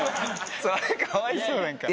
それかわいそう何か。